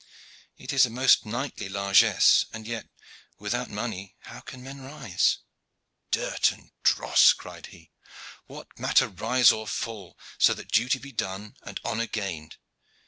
It is a most knightly largesse, and yet withouten money how can man rise?" "Dirt and dross!" cried he. "What matter rise or fall, so that duty be done and honor gained.